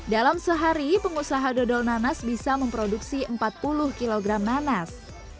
dalam sehari pengusaha dodol nanas bisa memproduksi empat puluh kg nanas